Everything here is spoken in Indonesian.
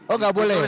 oh nggak boleh